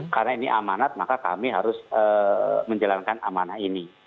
karena ini amanat maka kami harus menjalankan amanah ini